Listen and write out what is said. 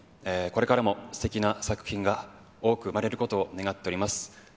これからもすてきな作品が多く生まれることを願っております。